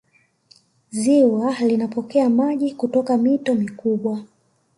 ziwa linapokea maji kutoka mito mikubwa